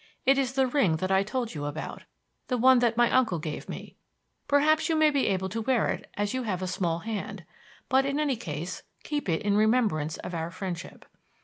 It is the ring that I told you about the one that my uncle gave me. Perhaps you may be able to wear it as you have a small hand, but in any case keep it in remembrance of our friendship.